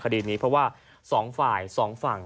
คดีนี้เพราะว่าสองฝ่ายสองฝั่ง